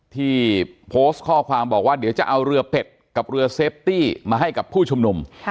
ที่โพสต์ข้อความบอกว่าเดี๋ยวจะเอาเรือเป็ดกับเรือเซฟตี้มาให้กับผู้ชุมนุม